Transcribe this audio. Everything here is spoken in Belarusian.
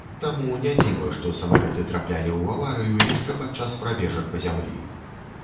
Таму не дзіва, што самалёты траплялі ў аварыю яшчэ падчас прабежак па зямлі.